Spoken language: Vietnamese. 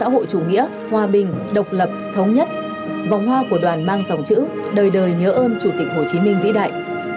hồ chí minh vĩ đại